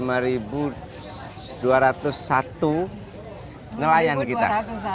ada dua ratus satu nelayan kita